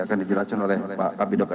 akan dijelaskan oleh pak kb dokter